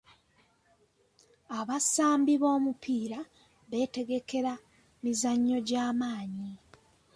Abasambi b'omupiira beetegekera emizannyo egy'amaanyi.